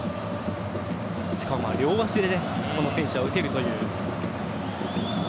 しかも両足でこの選手は打てるという。